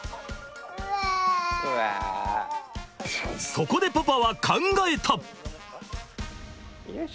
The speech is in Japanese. そこでパパは考えた！